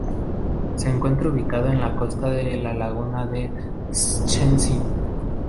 Se encuentra ubicado en la costa de la laguna de Szczecin.